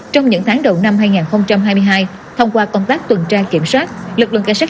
trong những tháng đầu năm hai nghìn hai mươi hai thông qua công tác tuần tra kiểm soát lực lượng cảnh sát